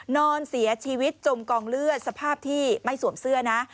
นอนเสียชีวิตจมกองเลือดสภาพที่ไม่สวมเสื้อนะ